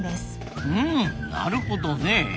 ふんなるほどねえ。